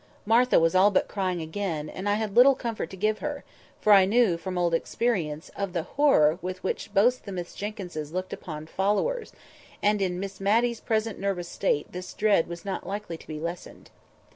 Martha was all but crying again; and I had little comfort to give her, for I knew, from old experience, of the horror with which both the Miss Jenkynses looked upon "followers"; and in Miss Matty's present nervous state this dread was not likely to be lessened.